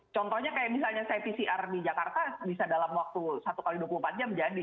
contohnya kayak misalnya saya pcr di jakarta bisa dalam waktu satu x dua puluh empat jam jadi